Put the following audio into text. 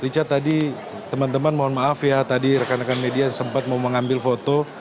richard tadi teman teman mohon maaf ya tadi rekan rekan media sempat mau mengambil foto